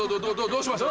どうしました？